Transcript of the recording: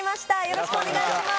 よろしくお願いします。